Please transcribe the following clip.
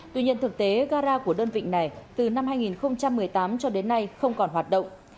tuy nhiên thực tế gara của đơn vị này từ năm hai nghìn một mươi tám cho đến nay không còn hoạt động